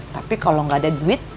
tapi kalau nggak ada duit